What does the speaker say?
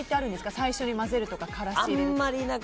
最初に混ぜるとかからし入れるとか。